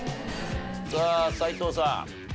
さあ斎藤さん。